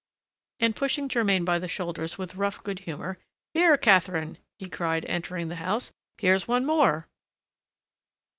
And, pushing Germain by the shoulders with rough good humor, "Here, Catherine," he cried, entering the house, "here's one more!"